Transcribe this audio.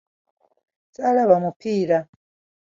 Ssaalaba mupiira.